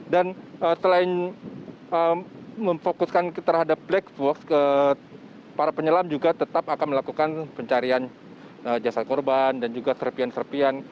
dan selain memfokuskan terhadap black box para penyelam juga tetap akan melakukan pencarian jasad korban dan juga serpihan serpihan